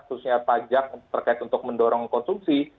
khususnya pajak terkait untuk mendorong konsumsi